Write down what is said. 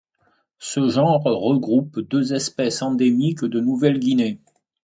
Ce genre regroupe deux espèces endémiques de Nouvelle-Guinée.